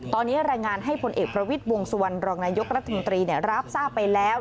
ตอนนี้รายงานให้ผลเอกประวิทย์วงสุวรรณรองนายกรัฐมนตรีรับทราบไปแล้ว